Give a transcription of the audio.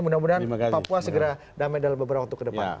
mudah mudahan papua segera damai dalam beberapa waktu ke depan